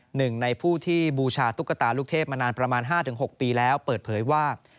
หนึ่งในผู้ที่บูชาตุ๊กตาลูกเทพมานานประมาณ๕๖ปีแล้วเปิดเผยว่า